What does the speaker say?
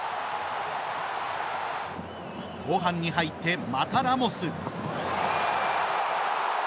後半に入って、またラモス。